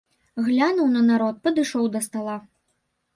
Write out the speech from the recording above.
Глянуў на народ, падышоў да стала.